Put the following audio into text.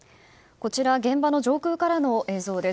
こちら現場の上空からの映像です。